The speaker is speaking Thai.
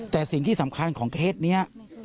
แต่สิ่งที่สำคัญของเคสนี้